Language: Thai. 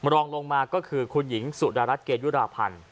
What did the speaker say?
รองลงมาก็คือคุณหญิงสุดารัฐเกยุราพันธ์